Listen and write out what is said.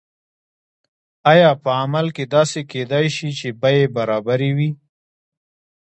آیا په عمل کې داسې کیدای شي چې بیې برابرې وي؟